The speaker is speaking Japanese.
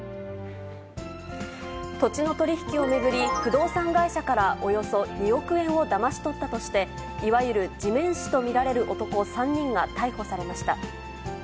土地の取り引きを巡り、不動産会社からおよそ２億円をだまし取ったとして、いわゆる地面師と見られる男３人が逮捕されました。